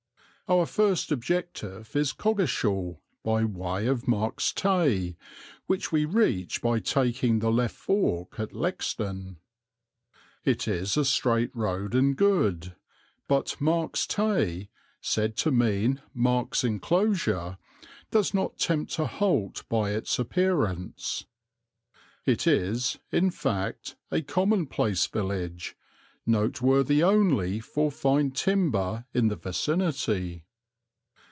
Our first objective is Coggeshall, by way of Marks Tey, which we reach by taking the left fork at Lexden. It is a straight road and good, but Marks Tey, said to mean Mark's enclosure, does not tempt a halt by its appearance. It is, in fact, a commonplace village, noteworthy only for fine timber in the vicinity.